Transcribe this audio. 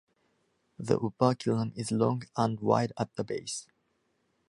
The operculum is long and wide at the base.